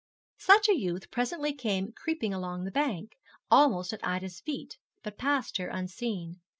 Such a youth presently came creeping along the bank, almost at Ida's feet, but passed her unseen.